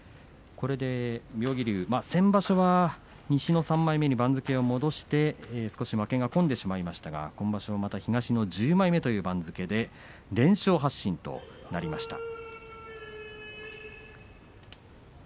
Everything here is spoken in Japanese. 妙義龍、先場所は西の３枚目に番付を戻して少し負けが込んでしまいましたが今場所もまた東の１０枚目という番付で連勝発進となりました。